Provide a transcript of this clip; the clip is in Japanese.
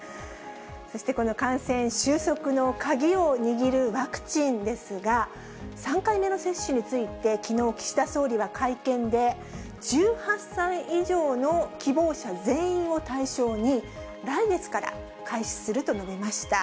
そしてこの感染収束の鍵を握るワクチンですが、３回目の接種について、きのう、岸田総理は会見で、１８歳以上の希望者全員を対象に、来月から開始すると述べました。